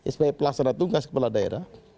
sebagai pelaksana tugas kepala daerah